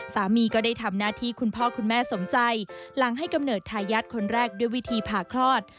สามีก็ได้ทำหน้าที่คุณพ่อคุณแม่สมใจหลังให้กำเนิดทายาทคนแรกด้วยวิธีผ่าคลอด